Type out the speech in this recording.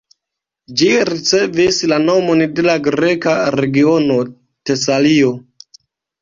Ĝi ricevis la nomon de la greka regiono Tesalio.